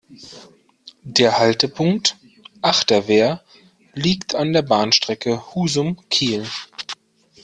Der Haltepunkt "Achterwehr" liegt an der Bahnstrecke Husum–Kiel.